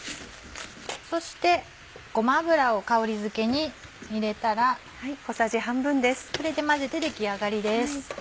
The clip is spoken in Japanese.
そしてごま油を香りづけに入れたらこれで混ぜて出来上がりです。